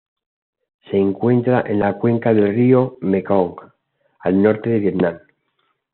Se encuentra en la cuenca del río Mekong y al norte de Vietnam.